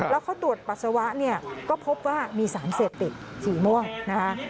แล้วเขาตรวจปัสสาวะเนี่ยก็พบว่ามีสารเสพติดสีม่วงนะคะ